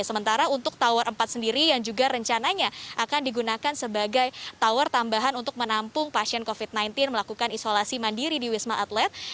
sementara untuk tower empat sendiri yang juga rencananya akan digunakan sebagai tower tambahan untuk menampung pasien covid sembilan belas melakukan isolasi mandiri di wisma atlet